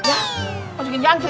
ya kemasukan jangkrik